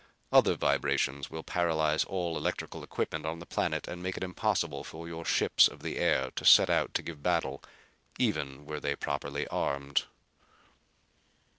Other vibrations will paralyze all electrical equipment on the planet and make it impossible for your ships of the air to set out to give battle, even were they properly armed."